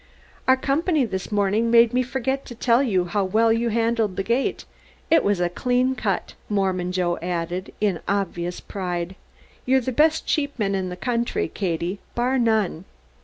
"Our company this morning made me forget to tell you how well you handled the gate; it was a clean cut." Mormon Joe added in obvious pride, "You're the best sheepman in the country, Katie, bar none."